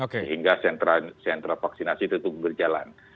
sehingga sentra vaksinasi tetap berjalan